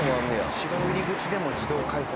違う入り口でも自動改札。